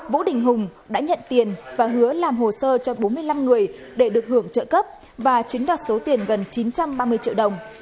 vũ đình hùng đã nhận tiền và hứa làm hồ sơ cho bốn mươi năm người để được hưởng trợ cấp và chiếm đoạt số tiền gần chín trăm ba mươi triệu đồng